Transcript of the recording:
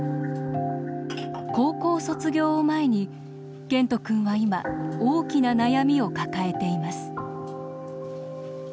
高校卒業を前に健人君は今大きな悩みを抱えています。